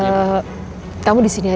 saya gak lama kok di poliklinik